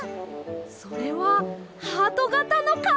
それはハートがたのかいがら！